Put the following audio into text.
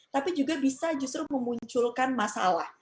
tapi juga bisa justru memunculkan masalah